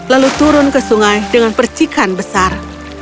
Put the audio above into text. lalu turun ke sungai dengan percikan besar